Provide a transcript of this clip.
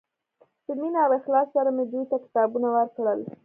په مینه او اخلاص سره مې دوی ته کتابونه ورکړل.